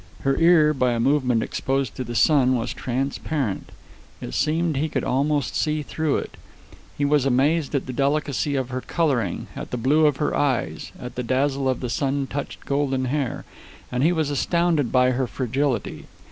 Her ear, by a movement exposed to the sun, was transparent. It seemed he could almost see through it. He was amazed at the delicacy of her coloring, at the blue of her eyes, at the dazzle of the sun touched golden hair. And he was astounded by her fragility.